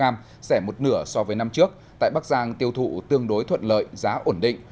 rẻ một nửa so với năm trước tại bắc giang tiêu thụ tương đối thuận lợi giá ổn định